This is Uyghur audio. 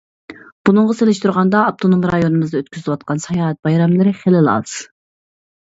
بۇنىڭغا سېلىشتۇرغاندا، ئاپتونوم رايونىمىزدا ئۆتكۈزۈلۈۋاتقان ساياھەت بايراملىرى خېلىلا ئاز.